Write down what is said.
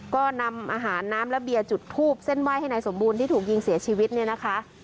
ก็นำอาหารน้ำและเบียร์จุดทูบเส้นไหว้ให้นายสมบูรณ์ที่ถูกยิงเสียชีวิตเนี่ยนะคะ